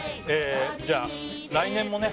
じゃあ来年もね